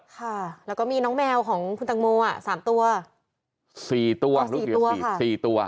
ค่ะแล้วก็มีน้องแมวของคุณตังโมอ่ะสามตัวสี่ตัวลูกเดียวสี่สี่ตัว